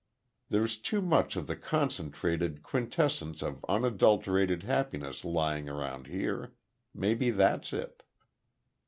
There's too much of the concentrated quintessence of unadulterated happiness lying around here. Maybe that's it."